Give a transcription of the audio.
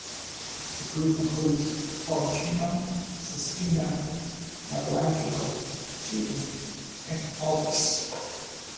The group includes Palatino, Sistina, Michaelangelo Titling, and Aldus.